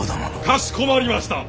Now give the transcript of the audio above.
かしこまりました！